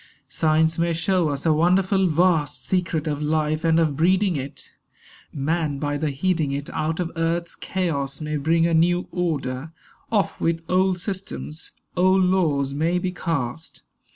Science may show us a wonderful vast Secret of life and of breeding it; Man by the heeding it Out of earth's chaos may bring a new order. Off with old systems, old laws may be cast.